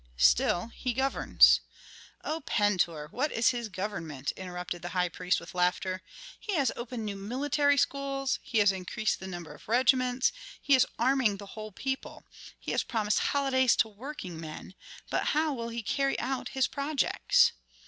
"Still he governs " "Oh, Pentuer, what is his government?" interrupted the high priest, with laughter. "He has opened new military schools, he has increased the number of regiments, he is arming the whole people, he has promised holidays to working men. But how will he carry out his projects?